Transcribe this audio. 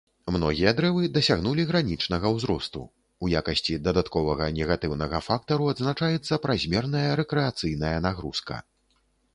Многія дрэвы дасягнулі гранічнага ўзросту, у якасці дадатковага негатыўнага фактару адзначаецца празмерная рэкрэацыйная нагрузка.